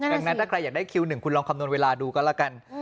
ดังนั้นถ้าใครอยากได้คิว๑คุณลองคำนวณเวลาดูก็ละกัน